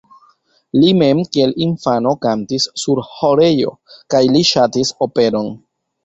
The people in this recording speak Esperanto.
Li mem kiel infano kantis sur ĥorejo kaj li ŝatis operon.